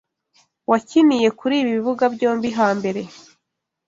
wakiniye kuri ibi bibuga byombi hambere